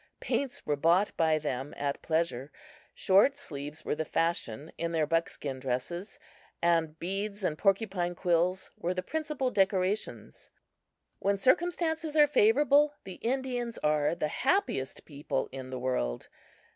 Paints were bought by them at pleasure. Short sleeves were the fashion in their buckskin dresses, and beads and porcupine quills were the principal decorations. When circumstances are favorable, the Indians are the happiest people in the world.